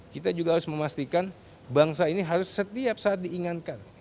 kita juga harus memastikan bangsa ini harus setiap saat diingatkan